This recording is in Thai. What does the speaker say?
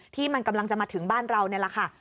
ที่มันกำลังจะมาถึงบ้านเรานี่แหละค่ะ